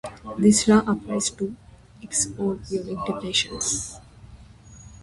This law applies to its own unique definition of United States person.